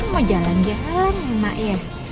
mau jalan jalan ya mak ya